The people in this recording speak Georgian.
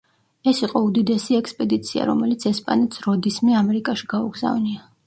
ეს იყო უდიდესი ექსპედიცია რომელიც ესპანეთს როდისმე ამერიკაში გაუგზავნია.